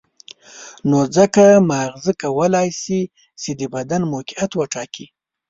نو ځکه ماغزه کولای شي چې د بدن موقعیت وټاکي.